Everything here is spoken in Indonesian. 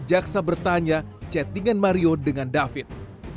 jaksa bertanya chattingan mario dengan david